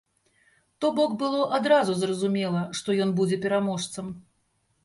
То бок было адразу зразумела, што ён будзе пераможцам.